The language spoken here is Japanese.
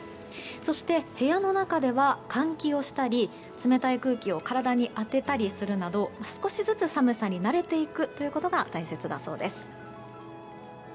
そして、部屋の中では換気をしたり冷たい空気を体に当てたりするなど少しずつ寒さに慣れていくことが大切だそうです。